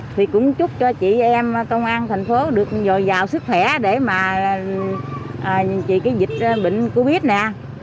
thì cũng chúc cho chị em công an tp được dồi dào sức khỏe để mà chị cái dịch bệnh covid nè